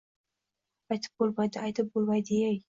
Aytib bo‘lmaydi, aytib bo‘lmaydi-yey